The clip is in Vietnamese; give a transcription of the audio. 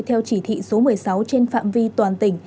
theo chỉ thị số một mươi sáu trên phạm vi toàn tỉnh